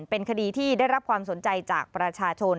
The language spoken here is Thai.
เป็นคดีที่ได้รับความสนใจจากประชาชน